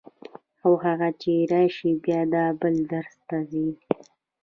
او هغه چې راشي بیا دا بل درس ته ځي.